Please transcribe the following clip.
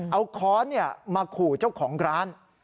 เอาค้อนมาขู่เจ้าของร้าน